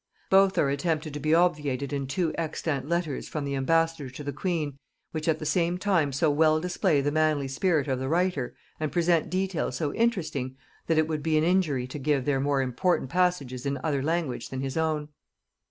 Both are attempted to be obviated in two extant letters from the ambassador to the queen, which at the same time so well display the manly spirit of the writer, and present details so interesting, that it would be an injury to give their more important passages in other language than his own.